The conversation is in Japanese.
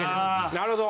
なるほど。